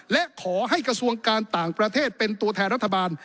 และขอให้กระทรวงการต่างประเทศเป็นตัวแทนรัฐบาล